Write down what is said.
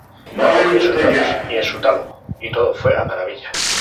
Le acogió en sus brazos y en su tálamo y todo fue a maravilla.